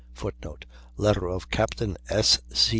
[Footnote: Letter of Captain S. C.